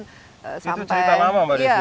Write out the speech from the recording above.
itu cerita lama mbak desi